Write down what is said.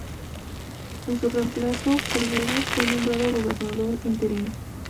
En su reemplazo Folgueras fue nombrado gobernador interino.